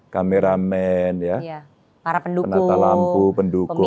kameramen penata lampu pendukung